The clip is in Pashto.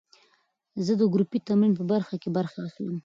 زه د ګروپي تمرین په برخه کې برخه اخلم.